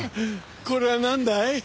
これはなんだい？